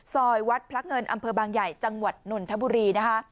ซอยวัดพระเงินอำเภอบางใหญ่จังหวัดนนทบุรีนะคะ